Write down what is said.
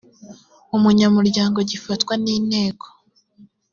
umunyamuryango gifatwa n inteko